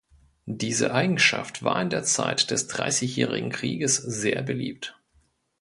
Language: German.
Diese Eigenschaft war in der Zeit des Dreißigjährigen Krieges sehr beliebt.